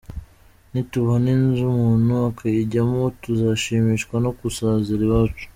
Nitubona inzu umuntu akayijyamo, tuzashimishwa no gusazira iwacu.